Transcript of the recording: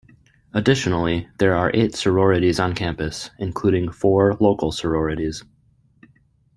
Additionally, there are eight sororities on campus, including four local sororities.